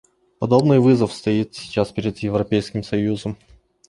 Подобный вызов стоит сейчас перед Европейским союзом.